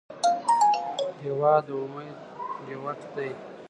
هېواد د امید ډیوټ دی.